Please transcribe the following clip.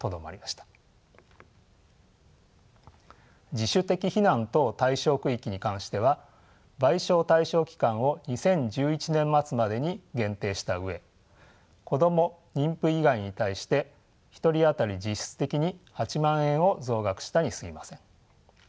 自主的避難等対象区域に関しては賠償対象期間を２０１１年末までに限定した上子ども・妊婦以外に対して１人当たり実質的に８万円を増額したにすぎません。